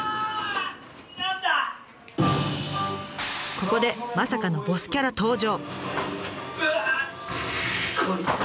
ここでまさかのボスキャラ登場！